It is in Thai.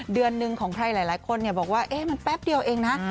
เดือนหนึ่งของใครหลายคนบอกว่ามันแป๊บเดียวเองนะ